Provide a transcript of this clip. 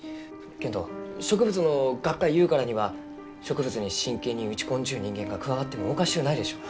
けんど植物の学会ゆうからには植物に真剣に打ち込んじゅう人間が加わってもおかしゅうないでしょう。